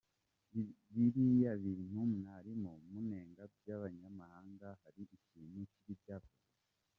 Biriya bintu mwarimo munenga by’abanyamahanga hari ikintu kibi byakoze.